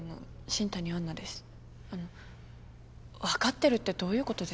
あの分かってるってどういうことですか？